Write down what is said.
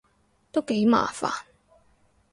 都幾麻煩